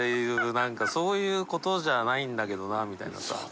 覆鵑そういうことじゃないんだけどなみたいなさ。